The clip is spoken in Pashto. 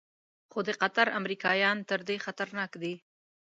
خو د قطر امریکایان تر دې خطرناک دي.